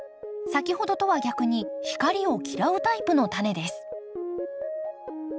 先ほどとは逆に光を嫌うタイプのタネです